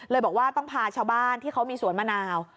บอกว่าต้องพาชาวบ้านที่เขามีสวนมะนาว